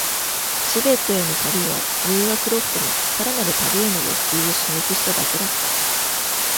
チベットへの旅は、ムーアクロフトのさらなる旅への欲求を刺激しただけだった。